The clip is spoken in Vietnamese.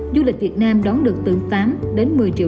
du lịch việt nam đón được từ tám đến một mươi triệu